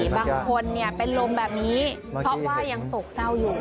บางคนเป็นลมแบบนี้เพราะว่ายังโศกเศร้าอยู่